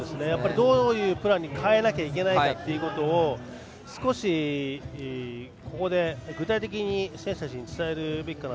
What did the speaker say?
どういうプランに変えなきゃいけないかを少しここで具体的に選手たちに伝えるべきかな。